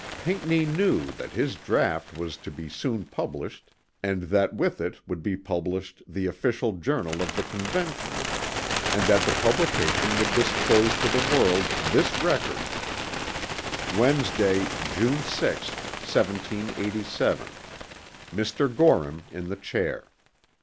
Pinckney knew that his draught was to be soon published and that with it would be published the official Journal of the Convention and that the publication would disclose to the world this record: "Wednesday, June 6, 1787 "Mr. Gorham in the Chair.